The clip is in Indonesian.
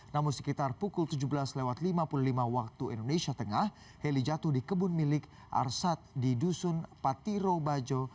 namun sekitar pukul tujuh belas lima puluh lima waktu indonesia tengah heli jatuh di kebun milik arsad di dusun patiro bajo